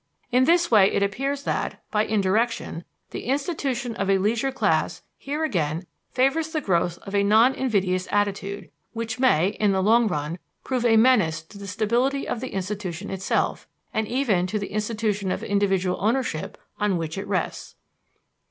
In this way it appears that, by indirection, the institution of a leisure class here again favors the growth of a non invidious attitude, which may, in the long run, prove a menace to the stability of the institution itself, and even to the institution of individual ownership on which it rests.